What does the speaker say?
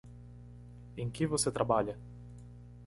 Em que você trabalha.